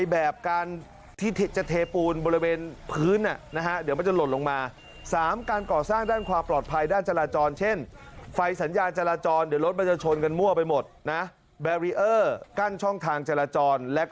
อศธออศธออศธออศธออศธออศธออศธออศธออศธออศธออศธออศธออศธออศธออศธออศธออศธออศธออศธออศธออศธออศธออ